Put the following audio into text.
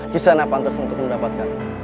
kisah anak pantas untuk mendapatkan